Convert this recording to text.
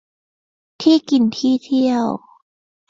ที่กินที่เที่ยว